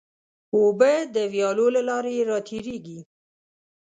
اوبه د ویالو له لارې راتېرېږي.